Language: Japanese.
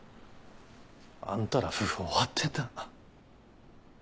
あんたら夫婦終わってんな。